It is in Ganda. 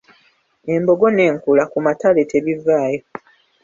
Embogo n’enkula ku matale tebivaayo.